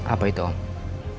apa itu om